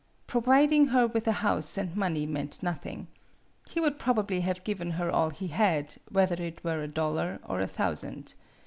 Providing her with a house and money meant nothing. He would probably have given her all he had, whether it were a dollar or a thousand.